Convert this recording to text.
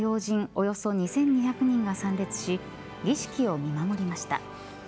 およそ２２００人が参列し儀式を見守りました。